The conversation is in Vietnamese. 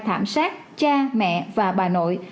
thảm sát cha mẹ và bà nội